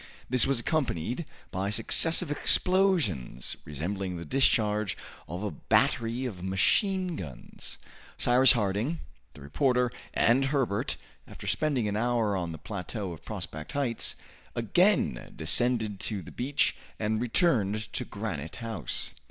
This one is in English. This was accompanied by successive explosions, resembling the discharge of a battery of machine guns. Cyrus Harding, the reporter, and Herbert, after spending an hour on the plateau of Prospect Heights, again descended to the beach, and returned to Granite House.